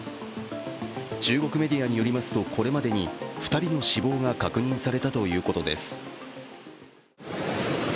中国メディアによりますと、これまでに２人の死亡が確認されたということです。